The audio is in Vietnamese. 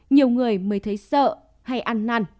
nhiều người mới thấy sợ hay ăn năn